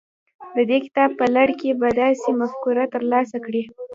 د دې کتاب په لړ کې به داسې مفکوره ترلاسه کړئ.